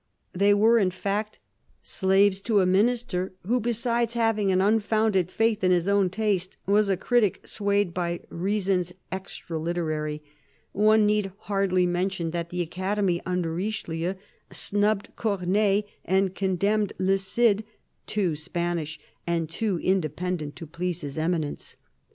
They were, in fact, slaves to a Minister who, besides having an unfounded faith in his own taste, was a critic swayed by reasons extra Uterary : one need hardly mention that the Academy, under Richelieu, snubbed Corneille and condemned Le Cid, too Spanish and too independent to please His Eminence.